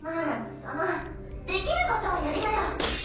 そのできることをやりなよ！